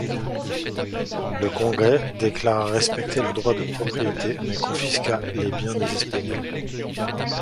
Le Congrès déclara respecter le droit de propriété mais confisqua les biens des Espagnols.